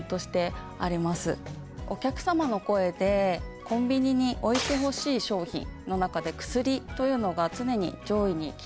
お客様の声でコンビニに置いてほしい商品の中で薬というのが常に上位にきております。